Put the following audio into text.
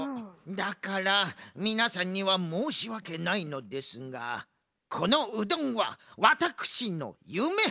だからみなさんにはもうしわけないのですがこのうどんはワタクシのゆめ！